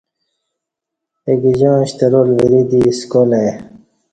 اگہ جاعں شترال وری دی سکال ای